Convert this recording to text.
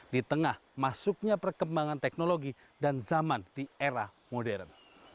di tengah masuknya perkembangan teknologi dan zaman di era modern